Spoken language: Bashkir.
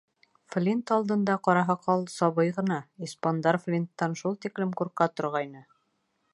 Флинт алдында Ҡара Һаҡал сабый ғына, испандар Флинттан шул тиклем ҡурҡа торғайны.